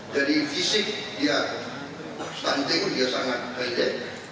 jadi fisik dia stunting dia sangat kaya